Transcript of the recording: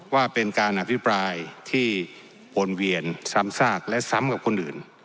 ว่าเป็นการอภิปรายที่วนเวียนซ้ำซากและซ้ำกับคนอื่น